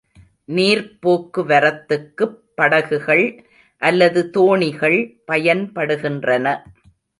நீர்ப் போக்கு வரத்துக்குப் படகுகள் அல்லது தோணிகள் பயன்படுகின்றன.